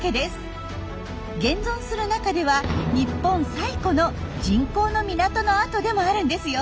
現存する中では日本最古の人工の港の跡でもあるんですよ。